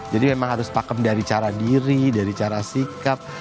jadi memang harus pakem dari cara diri dari cara sikap